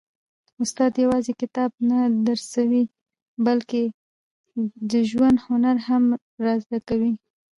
استاد یوازي کتاب نه درسوي، بلکي د ژوند هنر هم را زده کوي.